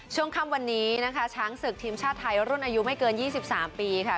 ช่วงค่ำวันนี้นะคะช้างศึกทีมชาติไทยรุ่นอายุไม่เกิน๒๓ปีค่ะ